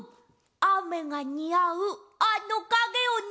あめがにあうあのかげをね。